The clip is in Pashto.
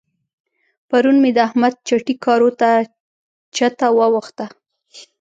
پرون مې د احمد چټي کارو ته چته واوښته.